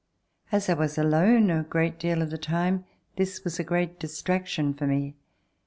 As I was alone a great deal of the time, this was a great distraction for me.